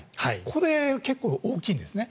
これ、結構大きいんですね。